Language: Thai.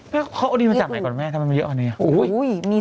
พี่เขาเอาดินมาจากไหนก่อนแม่ทำไมมันเยอะกว่านี้